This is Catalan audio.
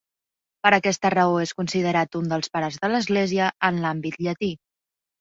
Per aquesta raó és considerat un dels Pares de l'Església, en l'àmbit llatí.